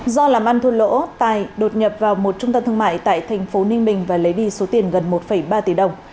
do làm ăn thu lỗ tài đột nhập vào một trung tâm thương mại tại tp ninh bình và lấy đi số tiền gần một ba tỷ đồng